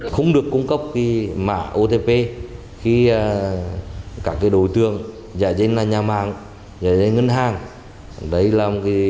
không được cung cấp mạng otp khi các đối tượng giải trình là nhà mạng giải trình ngân hàng